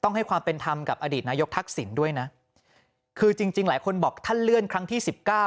ให้ความเป็นธรรมกับอดีตนายกทักษิณด้วยนะคือจริงจริงหลายคนบอกท่านเลื่อนครั้งที่สิบเก้า